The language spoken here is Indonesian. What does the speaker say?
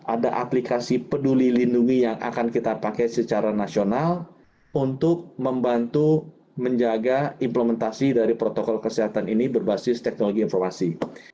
ada aplikasi peduli lindungi yang akan kita pakai secara nasional untuk membantu menjaga implementasi dari protokol kesehatan ini berbasis teknologi informasi